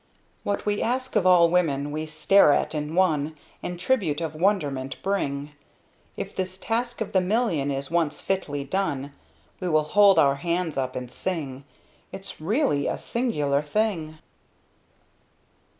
What we ask of all women, we stare at in one, And tribute of wonderment bring; If this task of the million is once fitly done We all hold our hands up and sing! It's really a singular thing!